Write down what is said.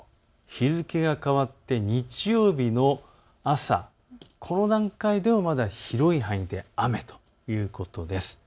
日付が変わって日曜日の朝この段階でもまだ広い範囲で雨ということです。